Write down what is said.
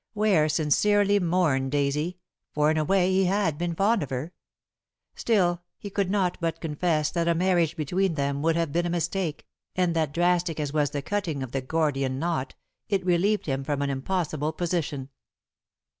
Ware sincerely mourned Daisy, for in a way he had been fond of her. Still, he could not but confess that a marriage between them would have been a mistake, and that drastic as was the cutting of the Gordian knot, it relieved him from an impossible position.